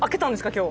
今日。